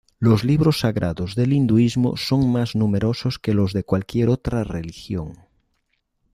Los libros sagrados del hinduismo son más numerosos que los de cualquier otra religión.